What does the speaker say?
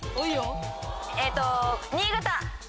えっと新潟。